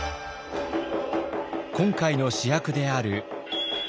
今回の主役である能。